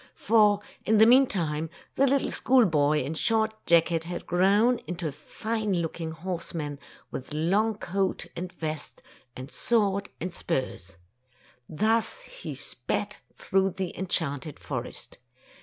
For, in the meantime, the little school boy in short jacket had grown into a fine looking horse man, with long coat and vest, and sword and spurs. Thus he sped through the enchanted forest.